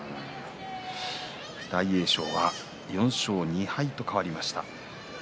大栄翔は４勝２敗と変わりました。